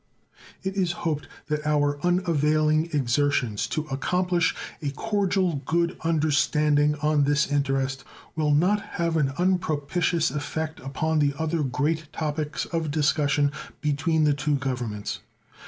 It is hoped that our unavailing exertions to accomplish a cordial good understanding on this interest will not have an unpropitious effect upon the other great topics of discussion between the two Governments.